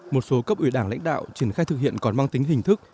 một số cấp ủy đảng lãnh đạo triển khai thực hiện còn mang tính hình thức